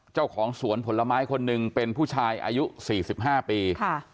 เจ้าของสวนผลไม้คนนึงเป็นผู้ชายอายุสี่สิบห้าปีค่ะ